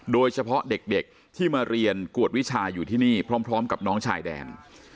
โดยเฉพาะเด็กที่มาเรียนกวดวิชาอยู่ที่นี่พร้อมกับน้องชายแดน